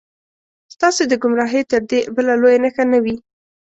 ستاسې د ګمراهۍ تر دې بله لویه نښه نه وي.